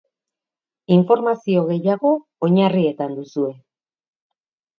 Informazio gehiago oinarrietan duzue.